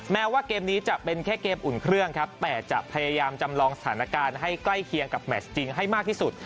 แม้ว่าเกมนี้จะเป็นแค่เกมอุ่นเครื่องครับแต่จะพยายามจำลองสถานการณ์ให้ใกล้เคียงกับแมชจริงให้มากที่สุด